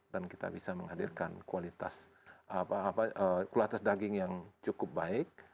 kita bisa menghadirkan kualitas daging yang cukup baik